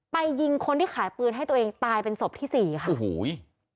ยิงคนที่ขายปืนให้ตัวเองตายเป็นศพที่สี่ค่ะโอ้โห